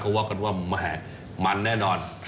เขาว่าก็ดูว่ามหมามันแน่นอน